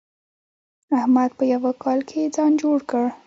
احمد په يوه کال کې ځان جوړ کړ.